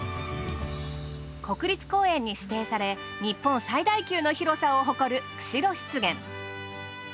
国立公園に指定され日本最大級の広さを誇る釧路湿原。